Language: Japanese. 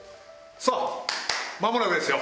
さぁ間もなくですよ。